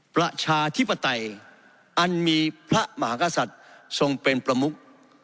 ประชาธิปไตยอันมีพระมหากษัตริย์ทรงเป็นประมุก